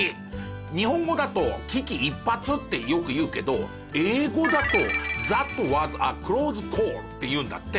日本語だと「危機一髪」ってよくいうけど英語だと「Ｔｈａｔｗａｓａｃｌｏｓｅｃａｌｌ」っていうんだって。